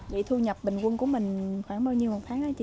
vậy thu nhập bình quân của mình khoảng bao nhiêu một tháng hả chị